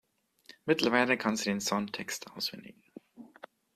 Mittlerweile kann sie den Songtext auswendig.